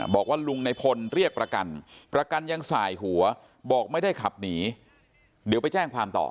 บอกว่าลุงในพลเรียกประกันประกันยังสายหัวบอกไม่ได้ขับหนีเดี๋ยวไปแจ้งความต่อ